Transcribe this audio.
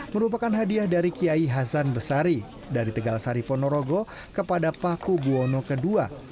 merupakan hadiah dari kiai hasan besari dari tegal sari ponorogo kepada paku buwono ii